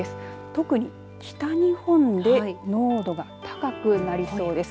特に北日本で濃度が高くなりそうです。